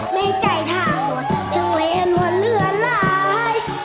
ไม่ได้ทางหวนทะเลหลวนเหลือลาย